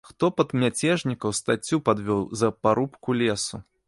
Хто пад мяцежнікаў стаццю падвёў за парубку лесу?